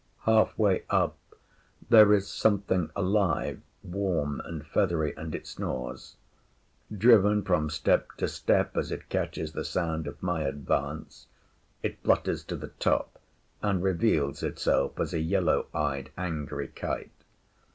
Half way up, there is something alive, warm, and feathery; and it snores. Driven from step to step as it catches the sound of my advance, it flutters to the top and reveals itself as a yellow eyed, angry kite.